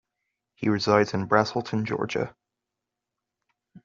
He resides in Braselton, Georgia.